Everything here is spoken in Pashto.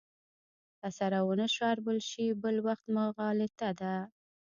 که سره ونه شاربل شي بل وخت مغالطه ده.